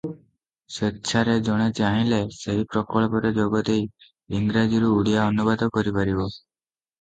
ସ୍ୱେଚ୍ଛାରେ ଜଣେ ଚାହିଁଲେ ସେହି ପ୍ରକଳ୍ପରେ ଯୋଗଦେଇ ଇଂରାଜୀରୁ ଓଡ଼ିଆ ଅନୁବାଦ କରିପାରିବ ।